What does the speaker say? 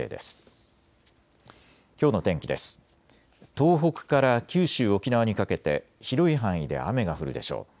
東北から九州、沖縄にかけて広い範囲で雨が降るでしょう。